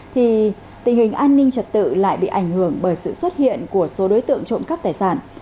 thì tình hình an ninh trật tự lại bị ảnh hưởng bởi sự xuất hiện của số đối tượng trộm cắp tài sản